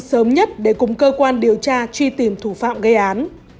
sớm nhất để cùng cơ quan điều tra truy tìm thủ phạm gây án